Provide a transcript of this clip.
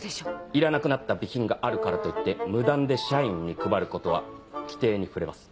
いらなくなった備品があるからといって無断で社員に配ることは規定に触れます。